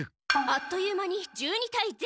あっという間に１２対０。